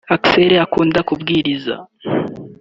Axel akunda kwibwiriza